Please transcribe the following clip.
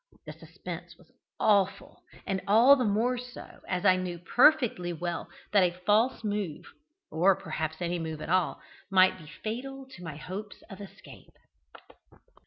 The suspense was awful, and all the more so as I knew perfectly well that a false move or perhaps any move at all might be fatal to my hopes of escape.